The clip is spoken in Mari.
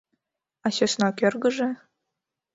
А сӧсна кӧргыжӧ?..